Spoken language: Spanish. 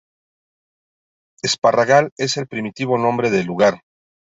Esparragal es el primitivo nombre del lugar.